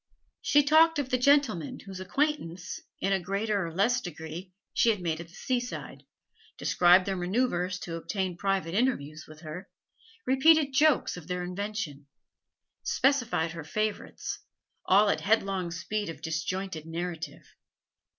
She talked of the 'gentlemen' whose acquaintance, in a greater or less degree, she had made at the seaside; described their manoeuvres to obtain private interviews with her, repeated jokes of their invention, specified her favourites, all at headlong speed of disjointed narrative.